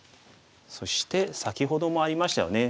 そして先ほどもありましたよね。